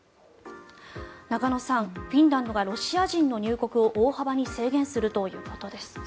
中野さん、フィンランドがロシア人の入国を大幅に制限するということです。